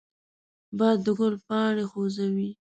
باد د ګل پاڼې خوځوي